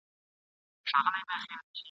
د یووالي د نارو پهلوانان یو ..